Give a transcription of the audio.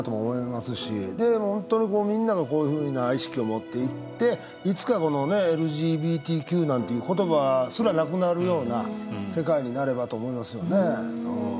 本当にみんながこういうふうな意識を持っていっていつかこのねＬＧＢＴＱなんていう言葉すらなくなるような世界になればと思いますよね。